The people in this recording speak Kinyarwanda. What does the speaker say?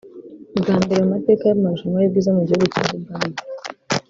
Bwa mbere mu mateka y’amarushanwa y’ubwiza mu gihugu cya Libani